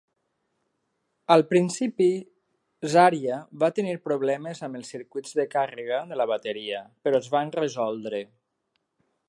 Al principi Zarya va tenir problemes amb els circuits de càrrega de la bateria, però es van resoldre.